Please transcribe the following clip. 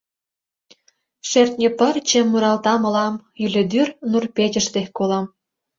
Шӧртньӧ пырче муралта мылам, — Йӱледӱр нур-печыште колам.